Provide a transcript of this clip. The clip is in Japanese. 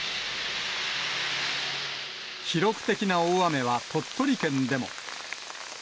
記録的な大雨は鳥取県でも。